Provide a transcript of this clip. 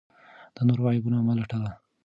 د نورو عیبونه مه لټوه.